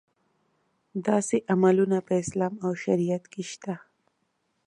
داسې عملونه په اسلام او شریعت کې شته.